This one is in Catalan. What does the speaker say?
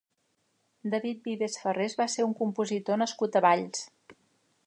David Vives Farrés va ser un compositor nascut a Valls.